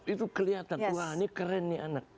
itu kelihatan wah ini keren nih anak